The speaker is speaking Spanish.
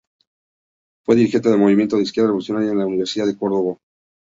Fue dirigente del Movimiento de Izquierda Revolucionaria en la Universidad de Carabobo.